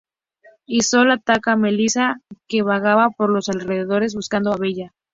Y Sol ataca a Melissa que vagaba por los alrededores, buscando a Bella.